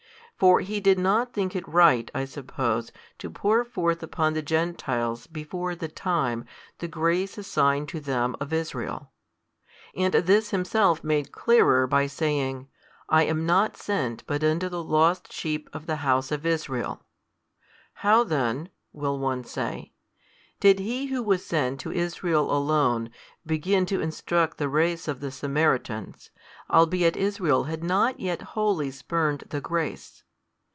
For He did not think it right, I suppose, to pour forth upon the Gentiles before the time the grace assigned to them of Israel. And this Himself made clearer by saying, I am not sent but unto the lost sheep of the house of Israel. How then (will one say) did He Who was sent to Israel alone begin to instruct the race of the Samaritans, albeit Israel had not yet wholly spurned the grace?